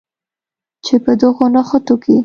چې په دغو نښتو کې